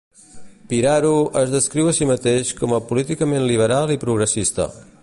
Piraro es descriu a si mateix com a "políticament liberal i progressista".